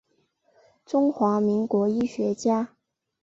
中华民国医学家。